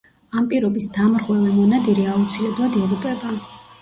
ამ პირობის დამრღვევი მონადირე აუცილებლად იღუპება.